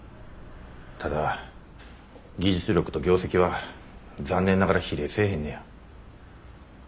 ただ技術力と業績は残念ながら比例せえへんのや。